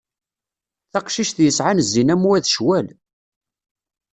Taqcict yesɛan zzin am wa d cwal.